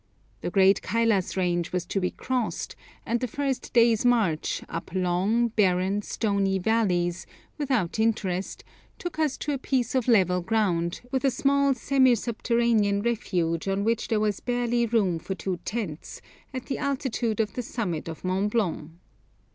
The great Kailas range was to be crossed, and the first day's march up long, barren, stony valleys, without interest, took us to a piece of level ground, with a small semi subterranean refuge on which there was barely room for two tents, at the altitude of the summit of Mont Blanc.